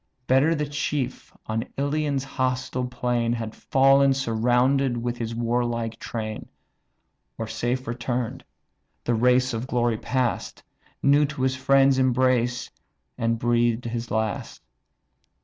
Better the chief, on Ilion's hostile plain, Had fall'n surrounded with his warlike train; Or safe return'd, the race of glory pass'd, New to his friends' embrace, and breathed his last!